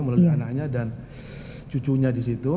melalui anaknya dan cucunya disitu